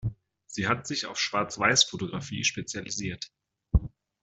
Sie hat sich auf die Schwarz-Weiß-Fotografie spezialisiert.